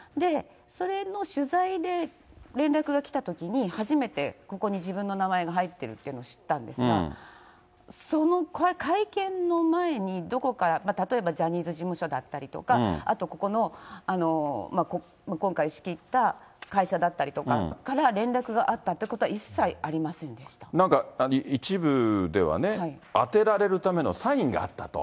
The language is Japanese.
それの取材で連絡が来たときに、初めてここに自分の名前が入ってるって知ったんですが、その会見の前に、どこか、例えばジャニーズ事務所だったりとか、あとここの、今回仕切った会社だったりとかから連絡があったっていうことは一一部ではね、当てられるためのサインがあったと。